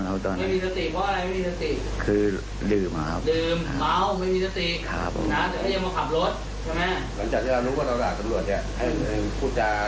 พูดจะอย่าพาตำรวจครับ